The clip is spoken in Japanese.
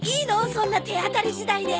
そんな手当たり次第で。